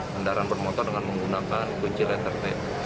kendaraan bermotor dengan menggunakan kunci letter t